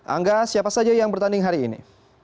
angga siapa saja yang bertanding hari ini